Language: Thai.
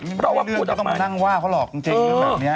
มันไม่เป็นเรื่องที่ต้องมานั่งว่าเขาหรอกจริงแบบเนี้ย